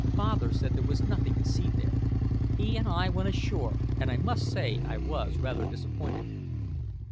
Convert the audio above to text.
Father said there was nothing to see there. He and I went ashore, and I must say I was rather disappointed."